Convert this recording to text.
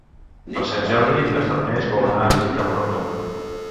Per Sant Jordi na Farners vol anar a visitar mon oncle.